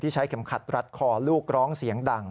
ใช้เข็มขัดรัดคอลูกร้องเสียงดัง